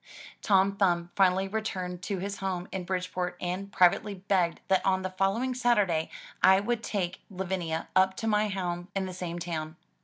Tom Thumb finally returned to his home in Bridgeport and privately begged that on the following Saturday I would take Lavinia up to my home in the same town.